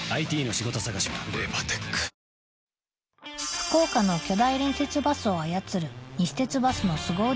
福岡の巨大連節バスを操る西鉄バスのスゴ腕